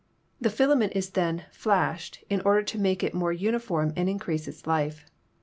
The filament is then "flashed" in order to make it more uniform and increase its life.